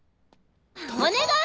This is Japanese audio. お願い！